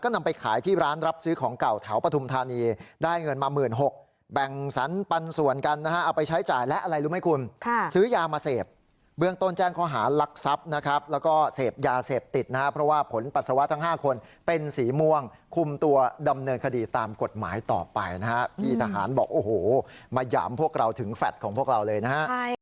นะครับแล้วก็เสพยาเสพติดนะฮะเพราะว่าผลปัสสาวะทั้งห้าคนเป็นสีม่วงคุมตัวดำเนินคดีตามกฎหมายต่อไปนะฮะพี่ทหารบอกโอ้โหมาหยามพวกเราถึงแฟทของพวกเราเลยนะฮะ